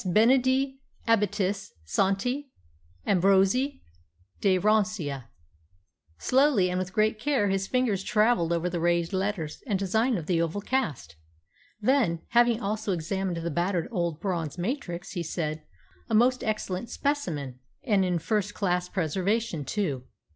BENEDITI . ABBATIS . SANTI . AMBROSII . D'RANCIA + Slowly and with great care his fingers travelled over the raised letters and design of the oval cast. Then, having also examined the battered old bronze matrix, he said, "A most excellent specimen, and in first class preservation, too!